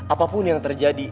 apapun yang terjadi